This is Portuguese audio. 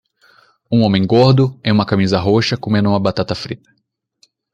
Um homem gordo em uma camisa roxa comendo uma batata frita.